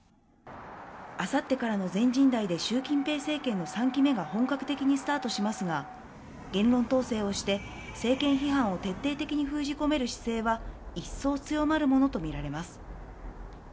明後日からの全人代でシュウ・キンペイ政権の３期目が本格的にスタートしますが、言論統制をして、政権批判を徹底的に封じ込める姿勢は一層強まるものとみられます。